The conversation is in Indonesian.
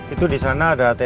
itu disana ada atm ajb